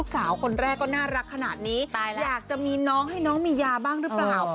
สาวคนแรกก็น่ารักขนาดนี้อยากจะมีน้องให้น้องมียาบ้างหรือเปล่า